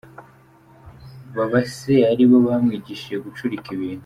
Baba se ari bo bamwigishije gucurika ibintu.